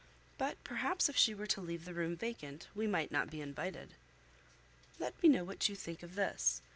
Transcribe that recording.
But perhaps if she were to leave the room vacant, we might not be invited. Let me know what you think of this.